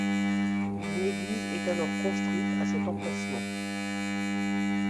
Une église est alors construite à cet emplacement.